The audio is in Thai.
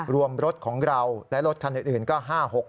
รวมรถของเราและรถคันอื่นก็๕๖๖